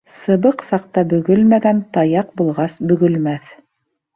Сыбыҡ саҡта бөгөлмәгән, таяҡ булғас бөгөлмәҫ.